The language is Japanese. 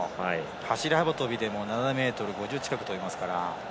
走り幅跳びでも７ｍ５０近く跳びますから。